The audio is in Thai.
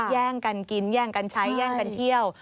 แย่งกันกินแย่งกันใช้แย่งกันเที่ยว